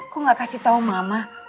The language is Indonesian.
kok gak kasih tau mama